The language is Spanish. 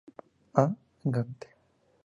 A. Gante.